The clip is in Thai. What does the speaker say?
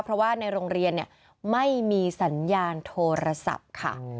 เพราะว่าในโรงเรียนไม่มีสัญญาณโทรศัพท์ค่ะ